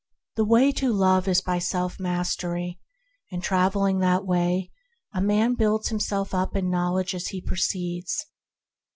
The way to Love is by self mastery, and, travelling that way, a man builds himself up in Knowledge as he proceeds.